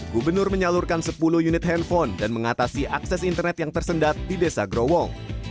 gubernur menyalurkan sepuluh unit handphone dan mengatasi akses internet yang tersendat di desa growong